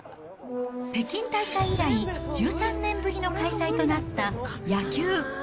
北京大会以来１３年ぶりの開催となった野球。